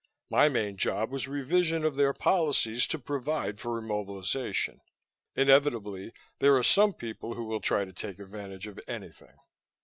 My main job was revision of their policies to provide for immobilization. Inevitably, there are some people who will try to take advantage of anything.